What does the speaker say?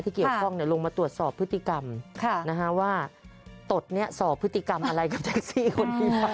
ที่เกี่ยวข้องเนี่ยลงมาตรวจสอบพฤติกรรมนะคะว่าตดเนี่ยสอบพฤติกรรมอะไรกับแท็กซี่คนนี้บ้าง